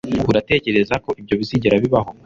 Uratekereza ko ibyo bizigera bibaho?